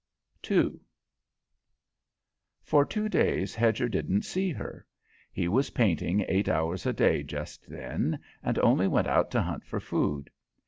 II For two days Hedger didn't see her. He was painting eight hours a day just then, and only went out to hunt for food.